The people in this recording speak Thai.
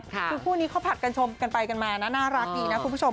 คือคู่นี้เขาผัดกันชมกันไปกันมานะน่ารักดีนะคุณผู้ชม